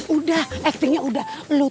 udah actingnya udah